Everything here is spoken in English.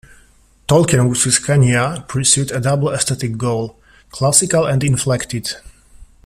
Tolkien with his Quenya pursued a double aesthetic goal: "classical and inflected".